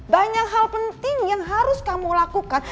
banyak hal penting yang harus kamu lakukan